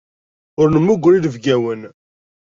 Ur nemmuger inebgawen.